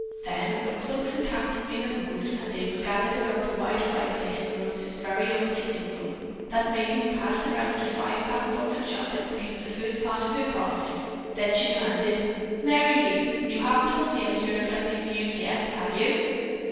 Then, when cloaks and caps had been removed and they were gathered about the wide fireplace in Rose's very own sitting room, that maiden passed around a five pound box of chocolates to keep the first part of her promise; then she demanded: "Merry Lee, you haven't told the others your exciting news yet, have you?"